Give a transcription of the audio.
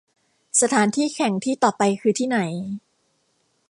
สถานที่แข่งที่ต่อไปคือที่ไหน